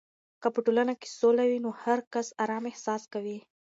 که په ټولنه کې سوله وي، نو هر کس آرام احساس کوي.